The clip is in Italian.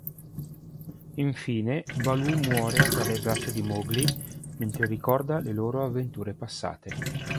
Infine, Baloo muore tra le braccia di Mowgli mentre ricorda le loro avventure passate.